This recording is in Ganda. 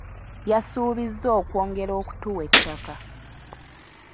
Yasuubizza okwongera okutuwa ettaka.